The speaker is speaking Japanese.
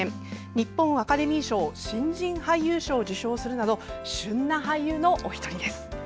日本アカデミー賞新人俳優賞を受賞するなど旬な俳優のお一人です。